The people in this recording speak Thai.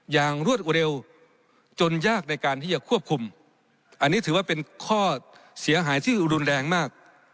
รวดเร็วจนยากในการที่จะควบคุมอันนี้ถือว่าเป็นข้อเสียหายที่รุนแรงมาก